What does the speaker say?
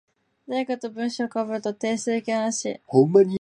誰かと文章被ると提出できないらしい。